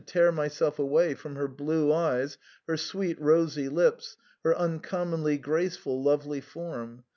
13 tear myself iaway from her blue eyes, her sweet rosy lips, her uncommonly graceful, lovely form.